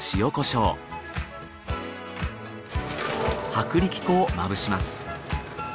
薄力粉をまぶします。